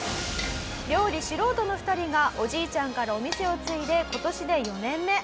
料理素人の２人がおじいちゃんからお店を継いで今年で４年目。